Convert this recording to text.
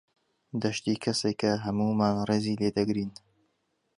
دەشتی کەسێکە هەموومان ڕێزی لێ دەگرین.